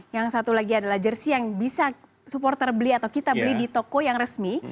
yang satu lagi adalah jersi yang bisa supporter beli atau kita beli di toko yang resmi